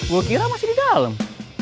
gue kira masih di dalam